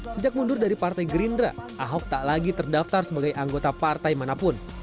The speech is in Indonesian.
sejak mundur dari partai gerindra ahok tak lagi terdaftar sebagai anggota partai manapun